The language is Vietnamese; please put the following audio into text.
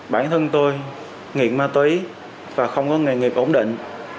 bản thân tôi nghiện ma túy và không có nghề nghiệp ổn định